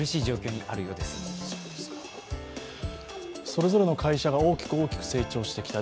それぞれの会社が大きく大きく成長してきた。